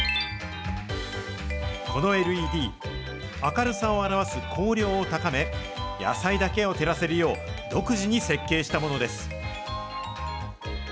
このＬＥＤ、明るさを表す光量を高め、野菜だけを照らせるよう、独自に設計したものです。